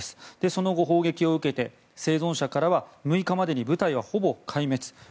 その後、砲撃を受けて生存者からは６日までに部隊はほぼ壊滅。